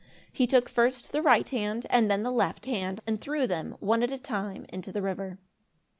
He took first the right hand and then the left hand and threw them, one at a time, into the river.